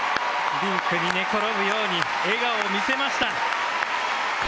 リンクに寝転ぶように笑顔を見せました。